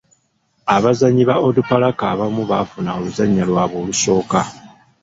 Abazannyi ba Onduparaka abamu baafuna oluzannya lwabwe olusooka.